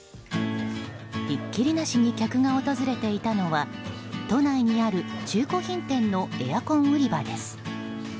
ひっきりなしにお客が訪れていたのは都内にある中古品店のエアコン売場です。